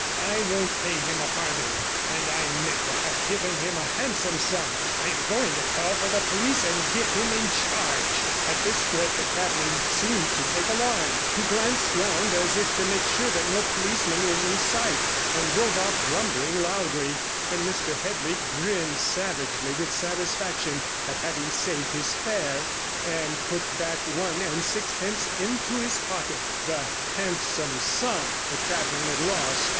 I won't pay him a farthing, and I meant to have given him a handsome sum. I am going to call for the police and give him in charge.' At this threat the cabman seemed to take alarm; he glanced round, as if to make sure that no policeman was in sight, and drove off grumbling loudly, and Mr Headley grinned savagely with satisfaction at having saved his fare, and put back one and sixpence into his pocket, the 'handsome sum' the cabman had lost.